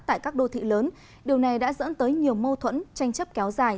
tại các đô thị lớn điều này đã dẫn tới nhiều mâu thuẫn tranh chấp kéo dài